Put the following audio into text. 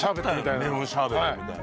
メロンシャーベットみたいな。